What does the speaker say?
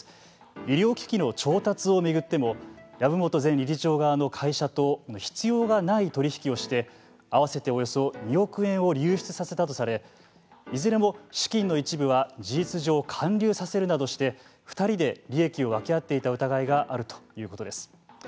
医療機器の調達を巡っても籔本前理事長側の会社と必要がない取り引きをして合わせておよそ２億円を流出させたとされいずれも資金の一部は事実上還流させるなどして２人で利益を分け合っていた疑いがあるということです。